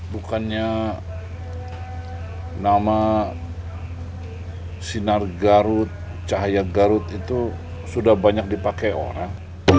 bukannya nama sinar garut cahaya garut itu sudah banyak dipakai orang